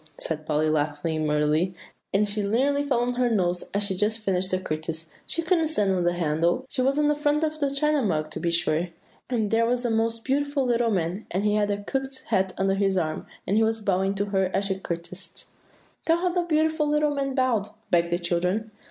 said Polly, laughing merrily; and she nearly fell on her nose, as she was just finishing the courtesy; "she couldn't stand on the handle. She was on the front of the China Mug, to be sure; and there was a most beautiful little man, and he had a cocked hat under his arm, and he was bowing to her as she courtesied." "Tell how the beautiful little man bowed," begged the children.